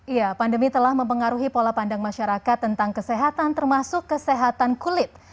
iya pandemi telah mempengaruhi pola pandang masyarakat tentang kesehatan termasuk kesehatan kulit